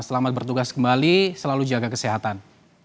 selamat bertugas kembali selalu jaga kesehatan